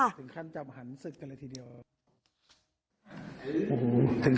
ถึงขั้นจับหันศึกกันเลยทีเดียว